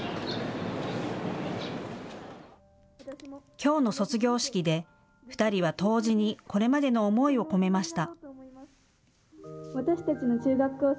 きょうの卒業式で２人は答辞にこれまでの思いを込めました。